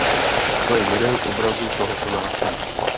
To je jeden z obrazů tohoto násilí.